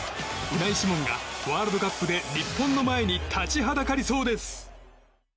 ウナイ・シモンがワールドカップで日本の前に立ちはだかりそうです。